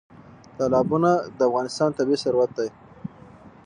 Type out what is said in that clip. تالابونه د افغانستان طبعي ثروت دی.